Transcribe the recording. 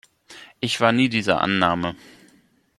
Ich war nie dieser Annahme!